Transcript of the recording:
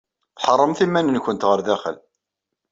Tḥeṛṛemt iman-nwent ɣer daxel.